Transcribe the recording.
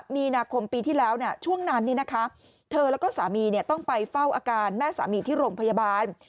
มีนาคมปีที่แล้วช่วงนั้นเธอแล้วก็สามีต้องไปเฝ้าอาการแม่สามีที่โรงพยาบาล